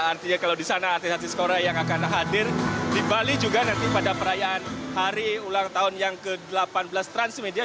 artinya kalau di sana artis artis korea yang akan hadir di bali juga nanti pada perayaan hari ulang tahun yang ke delapan belas transmedia